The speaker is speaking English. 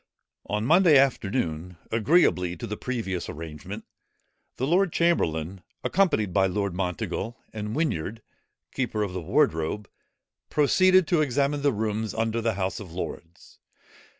On Monday afternoon, agreeably to the previous arrangement, the lord chamberlain, accompanied by Lord Monteagle, and Whinyard, keeper of the wardrobe, proceeded to examine the rooms under the House of Lords.